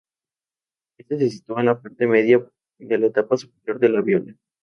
Este se sitúa en la parte media de la tapa superior de la viola.